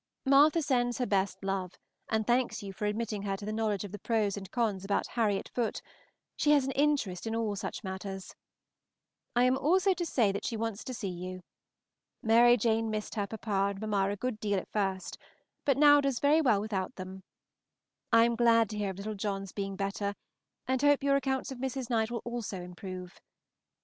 Martha sends her best love, and thanks you for admitting her to the knowledge of the pros and cons about Harriet Foote; she has an interest in all such matters. I am also to say that she wants to see you. Mary Jane missed her papa and mamma a good deal at first, but now does very well without them. I am glad to hear of little John's being better, and hope your accounts of Mrs. Knight will also improve.